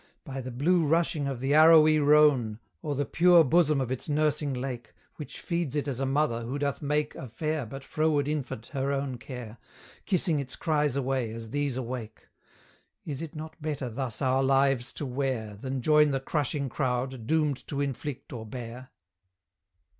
By the blue rushing of the arrowy Rhone, Or the pure bosom of its nursing lake, Which feeds it as a mother who doth make A fair but froward infant her own care, Kissing its cries away as these awake; Is it not better thus our lives to wear, Than join the crushing crowd, doomed to inflict or bear?